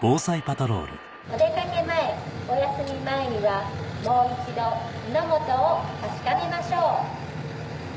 お出掛け前お休み前にはもう一度火の元を確かめましょう。